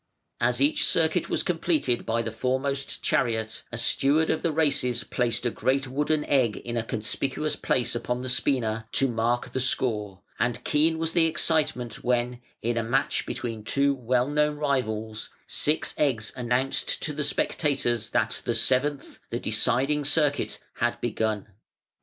Ac each circuit was completed by the foremost chariot, a steward of the races placed a great wooden egg in a conspicuous place upon the spina to mark the score; and keen was the excitement when, in a match between two well known rivals, six eggs announced to the spectators that the seventh, the deciding circuit, had begun.